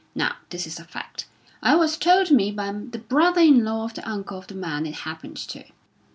Now, this is a fact. It was told me by the brother in law of the uncle of the man it happened to."